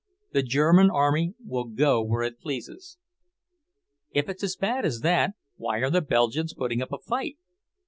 The German army will go where it pleases." "If it's as bad as that, why are the Belgians putting up a fight?"